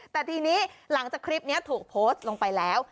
แต่ทีนี้หลังจากคลิปนี้ถูกโพสต์ลงไปแล้ว